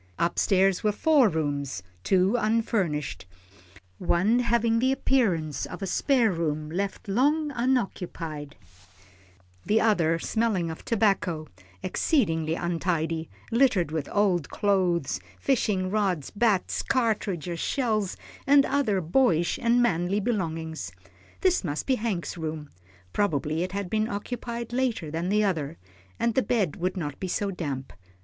Up stairs were four rooms, two unfurnished, one having something the appearance of a spare room left long unoccupied, the other smelling of tobacco, exceedingly untidy, littered with old clothes, fishing rods, bats, cartridge shells, and other boyish and manly belongings. This must be Hank's room, probably it had been occupied later than the other, and the bed would not be so damp.